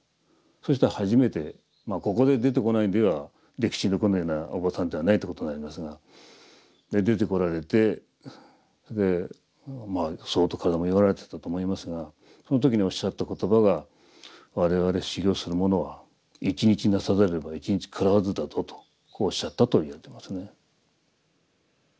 そしたら初めてまあここで出てこないんでは歴史に残るようなお坊さんではないということになりますが出てこられて相当体も弱られてたと思いますがその時におっしゃった言葉が「我々修行する者は『一日作さざれば一日食らわず』だぞ」とこうおっしゃったと言われてますね。